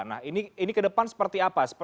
nah ini ke depan seperti apa